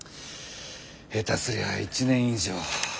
下手すりゃ１年以上。